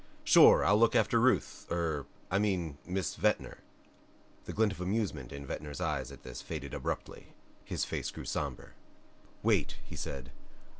"Sure. I'll look after Ruth er I mean Miss Ventnor." The glint of amusement in Ventnor's eyes at this faded abruptly; his face grew somber. "Wait," he said.